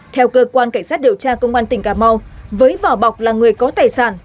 theo cơ quan cảnh sát điều tra công an tỉnh cà mau với vỏ bọc là người có tài sản